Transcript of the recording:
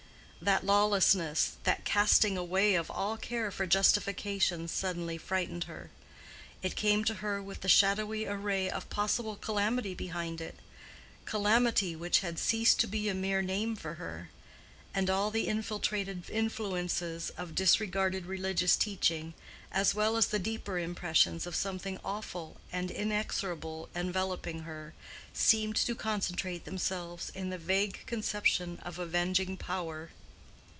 That lawlessness, that casting away of all care for justification, suddenly frightened her: it came to her with the shadowy array of possible calamity behind it—calamity which had ceased to be a mere name for her; and all the infiltrated influences of disregarded religious teaching, as well as the deeper impressions of something awful and inexorable enveloping her, seemed to concentrate themselves in the vague conception of avenging power.